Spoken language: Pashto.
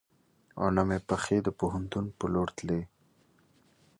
او نه مې پښې د پوهنتون په لور تلې .